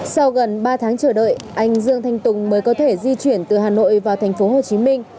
sau gần ba tháng chờ đợi anh dương thanh tùng mới có thể di chuyển từ hà nội vào thành phố hồ chí minh